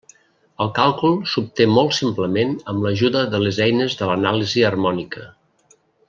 El càlcul s'obté molt simplement amb l'ajuda de les eines de l'anàlisi harmònica.